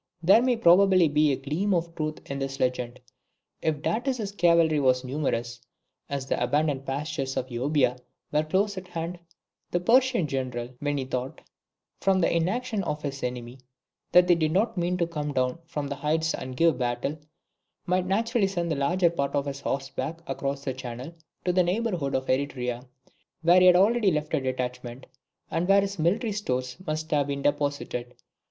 There may probably be a gleam of truth in this legend. If Datis's cavalry was numerous, as the abundant pastures of Euboea were close at hand, the Persian general, when he thought, from the inaction of his enemy, that they did not mean to come down from the heights and give battle, might naturally send the larger part of his horse back across the channel to the neighbourhood of Eretria, where he had already left a detachment, and where his military stores must have been deposited.